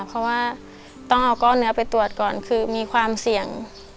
เพราะว่าต้องเอาก้อนเนื้อไปตรวจก่อนคือมีความเสี่ยง